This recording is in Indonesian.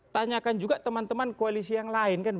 tanyakan juga teman teman koalisi yang lain